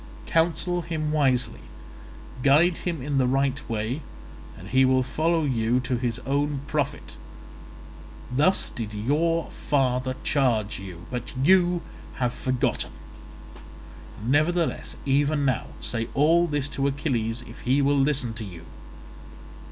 Counsel him wisely, guide him in the right way, and he will follow you to his own profit.' Thus did your father charge you, but you have forgotten; nevertheless, even now, say all this to Achilles if he will listen to you.